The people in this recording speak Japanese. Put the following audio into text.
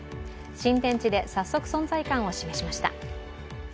新天地で早速、存在感を示しました。